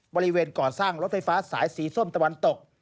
บริเวณก่อสร้างรถไฟฟ้าสายสีส้มตะวันตก